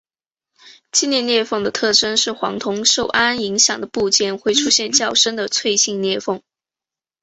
季裂裂痕的特征是黄铜受氨影响的部件会出现较深的脆性裂痕。